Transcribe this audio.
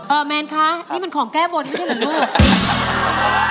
เออแมนคะนี่มันของแก้บบนไม่ใช่เหรอ